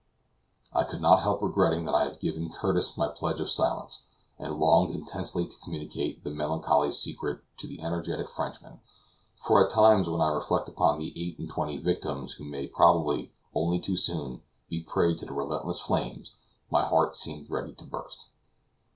I could not help regretting that I had given Curtis my pledge of silence, and longed intensely to communicate the melancholy secret to the energetic Frenchman; for at times when I reflect upon the eight and twenty victims who may probably, only too soon, be a prey to the relentless flames, my heart seems ready to burst.